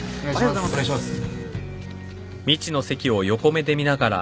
お願いします。